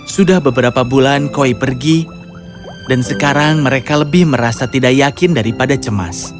sudah beberapa bulan koi pergi dan sekarang mereka lebih merasa tidak yakin daripada cemas